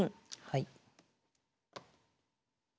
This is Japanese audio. はい。